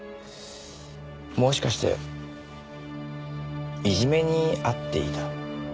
もしかしていじめにあっていた？